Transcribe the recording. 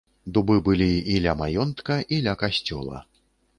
Дубы былі і ля маёнтка, і ля касцёла.